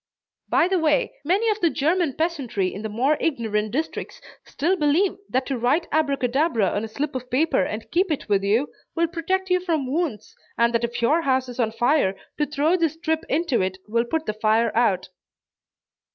By the way, many of the German peasantry in the more ignorant districts still believe that to write Abracadabra on a slip of paper and keep it with you, will protect you from wounds, and that if your house is on fire, to throw this strip into it will put the fire out.